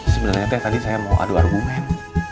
sebenernya tadi saya mau adu argumen